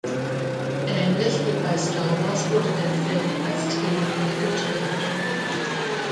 Ähnlich wie bei Star Wars wurde der Film als Trilogie gedreht.